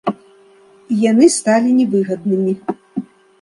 І яны сталі не выгаднымі.